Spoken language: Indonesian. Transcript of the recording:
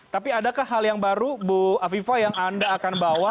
tapi adakah hal yang baru bu afifah yang anda akan bawa